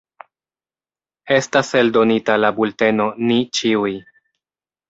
Estas eldonita la bulteno Ni ĉiuj.